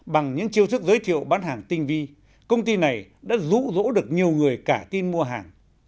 bằng những chiêu thức giới thiệu bán hàng tinh vi công ty này đã rũ rỗ được nhiều người cả tin mua hàng